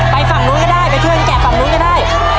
ไปฝั่งนู้นก็ได้ไปเชื่อนแกะฝั่งนู้นก็ได้